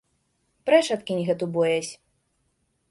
Прэч адкінь гэту боязь!